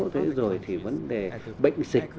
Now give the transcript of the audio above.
thế rồi thì vấn đề bệnh sịch